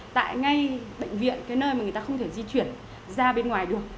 tại ngay bệnh viện cái nơi mà người ta không thể di chuyển ra bên ngoài được